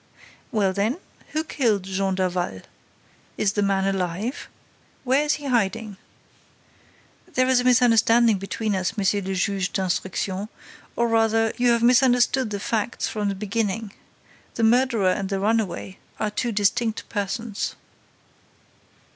"Well, then, who killed Jean Daval? Is the man alive? Where is he hiding?" "There is a misunderstanding between us, Monsieur le Juge d'Instruction, or, rather, you have misunderstood the facts from the beginning The murderer and the runaway are two distinct persons."